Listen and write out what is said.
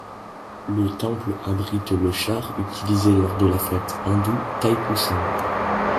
Le temple abrite le char utilisé lors de la fête hindoue Thaipusam.